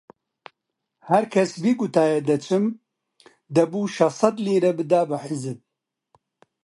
هەر کەس بیگوتایە دەچم، دەبوو شەشسەد لیرە بدا بە حیزب